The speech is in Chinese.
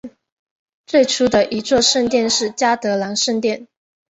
最初的一座圣殿是嘉德兰圣殿。